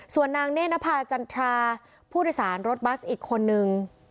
ส่วนนางเนธนภาจันทราผู้โดยสารรถบัสอีกคนนึง